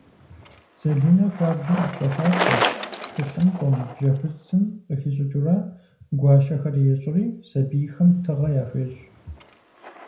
Зэлинэ хуабжьу ӏэпщӏэлъапщӏэщ - тхылъымпӏэм, бжьэхуцым къыхищӏыкӏыурэ гуащэхэр ещӏри сэбийхэм тыгъэ яхуещӏ.